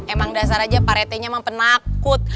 emang dasar aja paretenya emang penakut